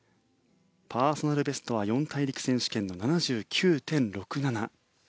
パーソナルベストは四大陸選手権の７９．６７。